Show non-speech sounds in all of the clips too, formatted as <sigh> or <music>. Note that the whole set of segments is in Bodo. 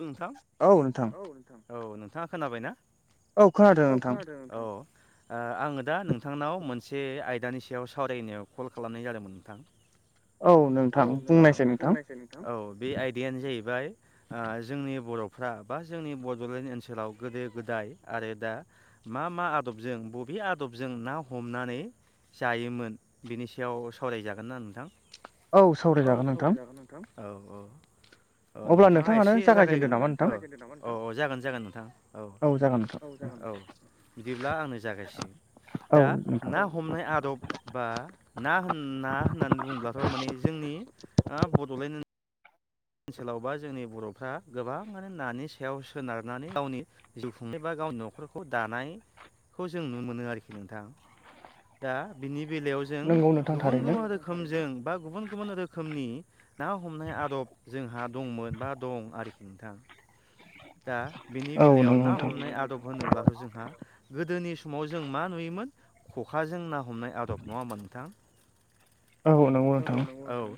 हेलौ नोंथां औ नोंथां औ नोंथाङा खोनाबाय ना औ खोनादों। ओ आङो दा नोंथांनाव मोनसे आयदानि सायाव सावरायनो कल खालामनाय जादोंमोन नोंथां? औ नोंथां बुंनायसाय नोंथां औ बे आयदायानो जाहैबाय जोंनि बर'फ्रा बा जोंनि बड'लेण्ड ओनसोलाव गोदो गोदाय आरो दा मा मा आबाद आदबजों बबे आदबजों ना हमनानै जायोमोन बेनि सायाव सावराय जागोनना नोंथां औ सावरायजागोन नोंथां। औ औ अब्ला नो एसे जागायग्रोन औ औ जागोन जागोन नोंथाङ औ औ जागोन औ बिदिब्ला आंनो जागायसिगोन दा ना हमनाय आदब बा ना होन ना होननानै बुङोलाथ' माने जोंनि आ बड'लेण्ड ओनसोलाव बा जोंनि बर'फ्रा गोबाङानो नानि सायाव सोनारनानै गावनि जिउ खुंनाय ए बा गावनि न'खरखौ दानायखौ जों नुनो मोनो आरोखि नोंथां दा बिनि बेलायाव जों गुबुन गुबुन रोखोमजों बा गुबुन गुबुन रोखोमनि ना हमनाय आदब जोंहा दंमोन बा दं आरोखि नोंथां दा बिनि बेलायाव ना हमनाय आदब होनोब्लाथ' जोंहा गोदोनि समाव जों मा नुयोमोन खखाजों ना हमनाय आदब नङामोन नोंथां औ नंगौ औ।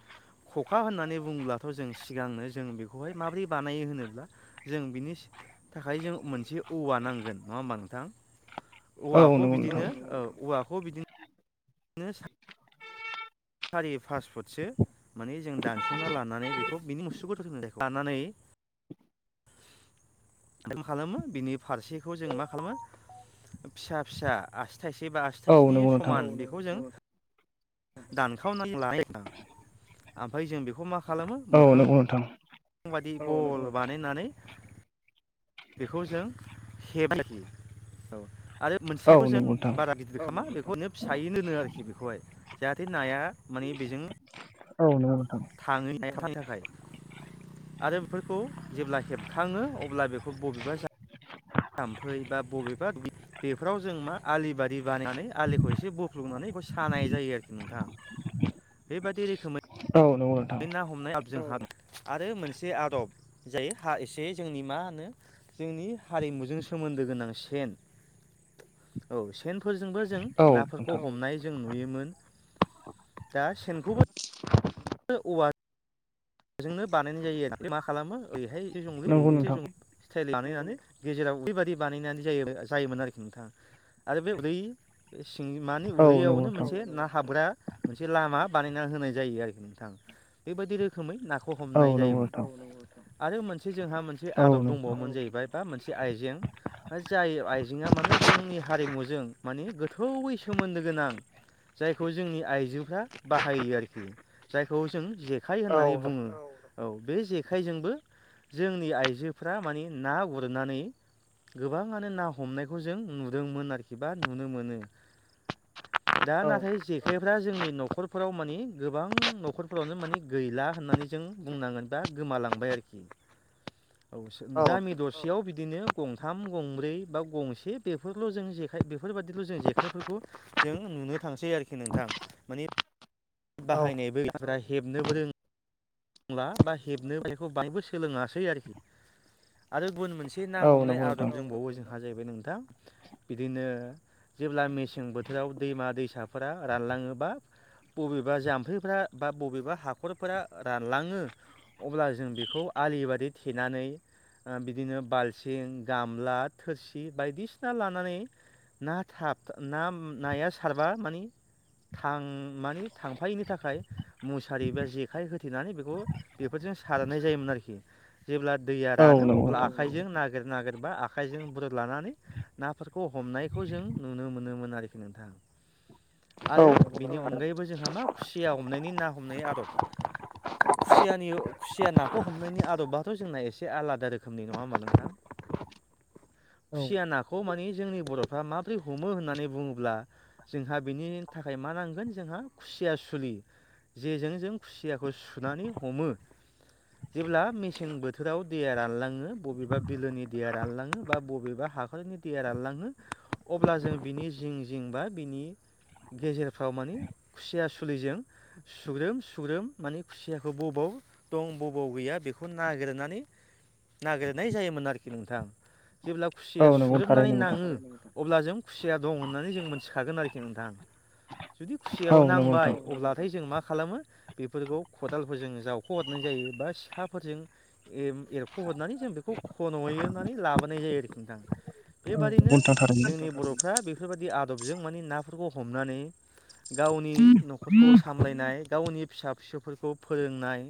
खखा होननानै बुङोलाथ' जों सिगांनो जों बेखौहाय माबोरै बानायो होनोब्ला जों बिनि थाखाय जों मोनसे औवा नांगोन नङा होमबा नोंथां औवाखौ बिदिनो औ औवाखौ बिदिनो सारि फास फुटसो माने जों दानस'ना लानानै बेखौ बिनि मुसौ लानानै खालामो बिनि फारसेखौ जों मा खालामो फिसा फिसा आसि थाइसे बा आसि थाइसेनि समान बेखौ जों दानखावना लायो ओमफ्राय जों बेखौ मा खालामो मोखां बादि बल बानायनानै बेखौ जों हेबो औ आरो मोनसे साइखौ जों बारा गिदिर खालामा बेखौनो फिसायैनो दोनो आरोखि बेखौहाय जाहाथे नाया माने बेजों थाङो हनि थाखाय। आरो बेफोरखौ जेब्ला हेबखाङो अब्ला बेखौ बबेबा ज जाम्फै बा बबेबा बेफोराव जों मा आलिबारि। बानायनानै आलिखौ एसे बोफ्लुंनानै बेखौ सानाय जायो आरोखि नोंथाङा। बेबादि रोखोमै। बे ना हमनाय। आरो मोनसे आदब जाय हा एसे जोंनि मा होनो। जोंनि हारिमुजों सोमोन्दो गोनां सेन औ सेन। फोरजोंबो जों नाफोरखौ हमनाय जों नुयोमोन दा सेनखौबो। औवा। जोंनो बानायनाय जायो आरो मा खालामो ओरैहाय जे ओरै बानायनानै गेजेराव बेैबायदि बानायनानै जे जायोमोन आरोखि नोंथां आरो बे उदै सिं मानि उदैयावनो मोनसे ना हाबग्रा मोनसे लामा बानायना होनाय जायो आरो नोंथां बेबायदि रोखोमै ना खौ हमनाय जायोमोन आरो मोनसे जोंहा मोनसे आदब दंबावोमोन जाहैबाय बा मोनसे आइजें जाय आइजेंआ माने जोंनि हारिमुजों माने गोथौैयै सोमोन्दो। गोनां जायखौ जोंनि आइजोफ्रा बाहायो आरोखि जायखौ जों जे। उथुमाइ होननानै बुङो। औ बे जेखाइजोंबो जोंनि आइजोफ्रा मानि ना गुरनानै गोबाङानो ना हमनायखौ जों नुदोंमोन आरोखि बा नुनो मोनो। दा नाथाय जेखाइफ्रा जोंनि न'खरफोराव मानि गोबां न'खरफोरावनो मानि गैला होननानै जों बुंनांगोन बा गोमालांबाय आरोखि औ गामि दरसेयाव बिदिनो गंथाम गंब्रै बा गंसे बेफोरल' जों जे जेखाय बेफोरबायदिल' जों जेखाइफोरखौ जों नुनो थांसै आरोखि नोंथां मानि बाहायनोबो रोंला हेबनोबो रोङा रोंला बा हेबनो बेखौ बायबो सोलोंङासै आरोखि आरो गुबुन मोनसे ना हमनाय आदब दंबावो जोंहा जाहैबाय नोंथां बिदिनो जेब्ला मेसें बोथोराव दैमा दैसाफोरा रानलांङोबा बबेबा जाम्फैफोरा बा बबेबा हाखरफोरा रानलांङो अब्ला जों बेखौ आलि बादि थेनानै बिदिनो बाल्थिं गामला थोरसि बायदिसिना लानानै‌ ना थाब ना नाया सारबा मानि माने थांफायैनि थाखाय मुसारि बा जेखाइ होयो। होथेनानै बेखौ बेफोरजों सारनाय जायोमोन आरोखि जेब्ला दैया रानो अब्ला आखाइजों नागिर नागिर बा आखाइजों बोरलानानै नाफोरखौ हमनायखौ जों नुनो मोनोमोन आरोखि नोंथाङा। आरो बिनि अनगायैबो जोंहा मा खुसिया हमनायनि ना हमनायनि आदब। <inaudible> खुसियानि खुसिया नाखौ हमनायनि आदबाथ' जोंना एसे आलादा रोखोमनि नङा होमबा नोंथां। <inaudible> खुसिया नाखौ मानि जोंनि बर'फ्रा माबोरै हमो होननानै बुङोब्ला जोंहा बेनि थाखाय। मा नांगोन जोंहा खुसिया सुलि जेजों जों खुसिया बेखौ सुनानै हमो जेब्ला मेसें बोथोराव दैया रानलांङो बबेबा बिलोनि दैया रानलांङो बा बबेबा। हाखरनि दैया रानलांङो अब्ला जों बिनि जिं जिं बा बिनि गेजेरफ्राव माने खुसिया सुलिजों सुग्रोम सुग्रोम मानि खुसियाखौ बबाव दं बबाव गैया बेखौ नागिरनानै नागिरनाय जायोमोन आरोखि नोंथां जेब्ला खुसिया सुग्रोमनानै नांङो अब्ला जों खुसिया दं होननानै जों मोनथिखागोन आरोखि नोंथां जुदि खुसियाव नांबाय अब्लाथाय जों मा खालामो। बेफोरखौ खदालफोरजों जावख'हरनाय जायो बा सिखाफोरजों एरख'हरनानै जों बेखौ खन'नानै लाबोनाय जायो आरोखि नोंथां बेबादिनो जोंनि बर'। फ्रा बेफोरबायाददि आदबजों मानि नाफोरखौ हमनानै गावनि न'खरखौ सामलायनाय गावनि फिसा फिसौफोरखौ फोरोंनाय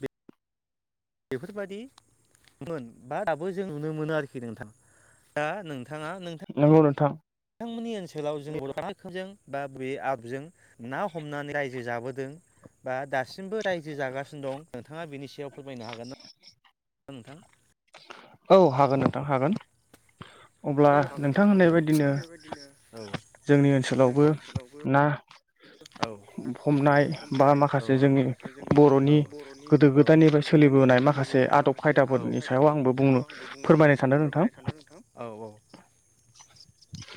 बे बेफोरबायदि मोन बा दाबो जों नुनो मोनो आरोखि नोंथां दा नोंथाङा नोंथां बिथांमोननि ओनसोलाव जों बरखजों बा बे आबजों ना हमनानै रायजो जाबोदों बा दासिमबो रायजो जागासिनो दं नोंथाङा बेनि सायाव फोरमायनो हागोन नामा नोंथां औ हागोन नोंथां हागोन। अब्ला नोंथां होननाय बायदिनो जोंनि ओनसोलावबो ना <unintelligible> हमनाय बा माखासे जोंनि बर'नि गोदो गोदायनिफ्राय सोलिबोनाय माखासे आदब खायदाफोरनि सायाव आंबो बुंनो बुंनो फोरमायनो सानदों नोंथां औ औ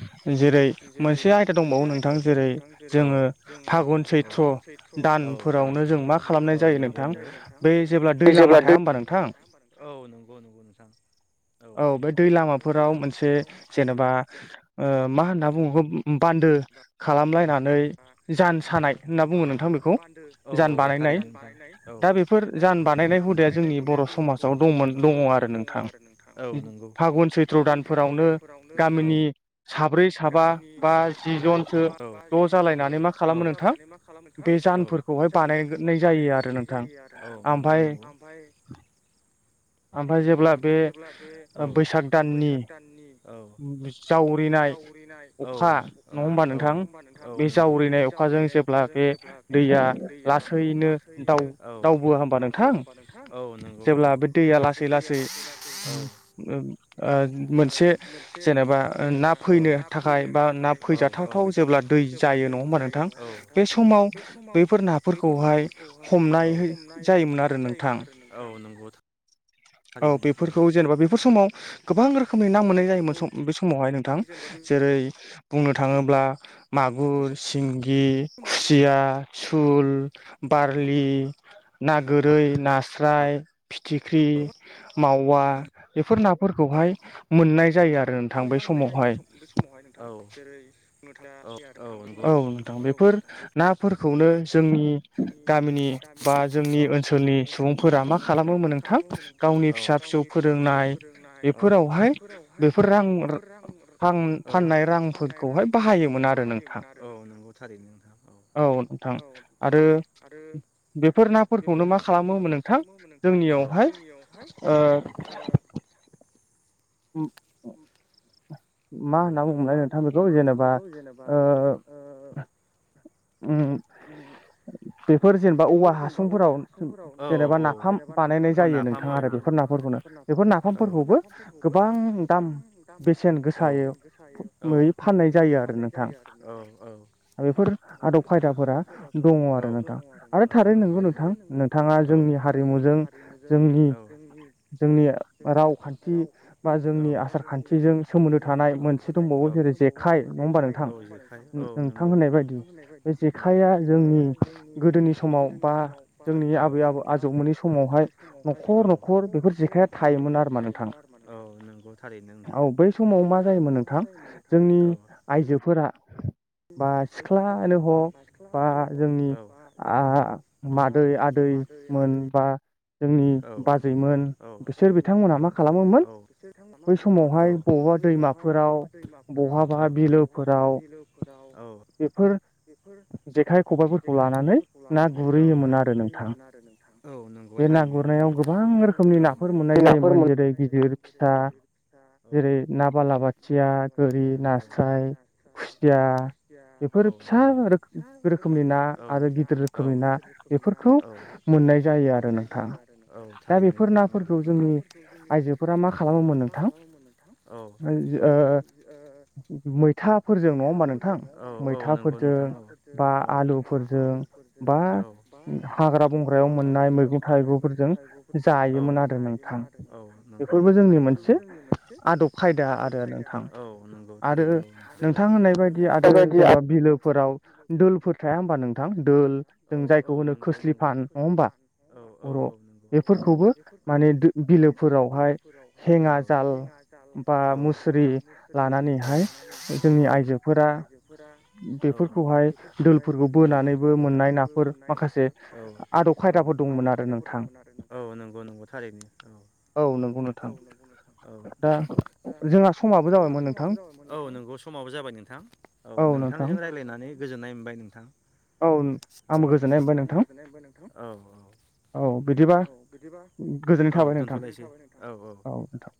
<inaudible> जेरै मोनसे आयदा दंबावो नोंथां जेरै जोङो फागुन सैथ्र दान नावनो जों मा खालामनाय जायो नोंथां बे जेब्ला दै लामा थाया हबा नोंथां नंगौ नंगौ नोंथां औ बे दै लामाफोराव मोनसे जेनेबा मा होनना बुङो बान्दो खालामलायनानै जान सानाय होनना बुङो नोंथां बेखौ जान बानायनाय दा बे दा बेफोर जान बानायनाय हुदाया जोंनि बर' समाजाव दंमोन दंङ आरो नोंथां फागुन सैथ्र दानफोरावनो गामिनि गामिनि साब्रै साबा बा जि ज'थो जनानै मा खालामोन नोथां गोजानफोरखौहाय बानायनाय जायो आरो ओमफाय ओमफ्राय जेब्ला बे बैसाग दाननि जावरिनाय अखा नंङा होमबा नोंथां बे जावरिनाय अखाजों जेब्ला बे दैया लासैनो रावबो हबा नोंथां औ नंगौ औ जेब्ला खलासेै मोनसे जेनेबा ना फैनो थाखाय बा ना फैजाथावथाव जेब्ला दै जायो नङा होमबा नोंथां बे समाव बैफोर नाफोरखौहाय खौहाय औ हमनाय जायोमोन आरो औ नंगौ थारैनो फोरखौ जेनेबा बेफोर समाव गोबां रोखोमनि ना मोन्नाय जायोमोन बे समावहाय नोंथां जेरै बुंनो थाङोब्ला म मागुर सिंगि खुसिया सुल बारलि ना गोरै नास्राय फिथिख्रि मावा बेफोर नाफोरखौहाय मोननाय जायो आरो रोखोमै ना मोननाय जायोमोन सम बे समावहाय नोंथाङा जेरै नुथा औ नोंथां बेफोर नाफोरखौनो जोंनि गामिनि बा जोंनि ओनसोलनि सुबुंफोरा मा खालामोमोन नोंथां गाव गावनि फिसा फिसौ फोरोंनाय बेफोरावहाय बेफोर रां फाननाय रांफोरखौहाय बाहायोमोन आरो नोंथां। औ नोंथां आरो। बेफोर नाफोरखौनो मा खालामोन नोंथां जोंनियावहाय ओ <inaudible> औ मा होनना बुंनाय नोंथां बेखौ जेनेबा उ उ बेफोर जेनेबा औवा हासुंफोराव जेनेबा नाफाम बानायनाय जायो नोंथाङा आरो बेफोर नाफाम फोखौनो बेफोर नाफामफोरखौबो गोबां दाम बेसेन गोसायै फाननाय जायो आरो ना औ औ। बेफोर आदब खायदा फोरा दङ आरो नोंथां आरो थारैनो नंगौ नोंथां नोंथाङा जोंनि हारिमुजो जोंनि जोंनि रावखान्थि बा जोंनि खाथिजों सोमोन्दो थानाय मोनसे दंबावो जेरै जेखाइ नङा होमबा नोंथां नोंथां होननाय बायदि। होननाय बायदि। जेखाया जोंनि गोदोनि समाव बा जोंनि आबै आबौ आजौमोननि समावहाय नख'र नख'र बेफोर जेखाया थायोमोन आरो माने। औ बै समाव मा जायोमोन नोंथां जोंनि आइजोफोरा बा सिख्लायानो हक बा जोंनि आ मादै आदै दै मोनबा औ औ औ। मा खालामोमोन समावहाय बहाबा दैमाफोराव बहाबा बिलोफोराव बेफोर बेफोर जेखाय खबाइफोरखौ लानानै ना गुरहैयोमोन आरो नोंथां। बे ना गुरनायाव गोबां रोखोमनि नाफोर मोननाय जायोमोन जेरै गिदिर फिसा जेरै ना बालाबाथिया थुरि नास्राय खुसिया बेफोर फिसा रोखोमनि ना आमफ्राय गिदिर रोखोमनि ना बेफोरखौ मोननाय जायो आरो दा बेफोर नाफोरखौ जोंनि आइजोफोरा मा खालामोमोन नोंथां ओ मैथाफोरजोंनो थाइखाफोरजों बा आलुफोरजों औ बा हाग्रायाव मोननाय मैगं मोननाय मैगं थाइगंफोरजों जायोमोन आरो नोंथां आदब खायदा आरो नोंथां आरो नोंथां होननाय बायदि आरो जेनबा बिलोफोराव दोलफोर थाया होनबा नोंथां दोल जों जायखौ होनो खोस्लि फान नङा होमबा? बर' बेफोरखौबो माने बिलोफोरावहाय हेङा हेङा जाल बा मुस्रि लानानैहाय जोंनि आइजोफोरा बेफोरखौहाय दोलफोरखौ बोनानैबो मोननाय नाफोर माखासे आदब खायदाफोर दंमोन आरो नोंथां औ नंगौ नोंथां। दा औ नंगौ समाबो जाबाय नोंथां औ नोंथांजों रायज्लायनानै गोजोननाय मोनबाय नोंथां औ औ। औ बिदिबा गोजोननाय थाबाय नोंथां।